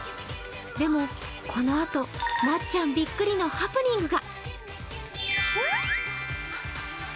でも、このあと、なっちゃんびっくりのハプニングが。